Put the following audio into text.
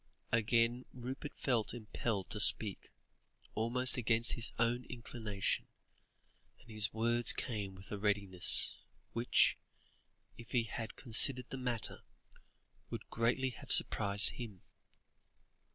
Again Rupert felt impelled to speak, almost against his own inclination, and his words came with a readiness, which, if he had considered the matter, would greatly have surprised him.